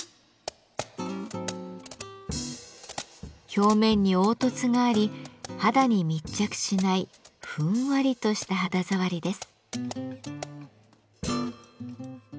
表面に凹凸があり肌に密着しないふんわりとした肌触りです。